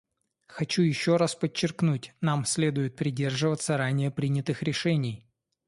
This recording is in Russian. Хочу еще раз подчеркнуть: нам следует придерживаться ранее принятых решений.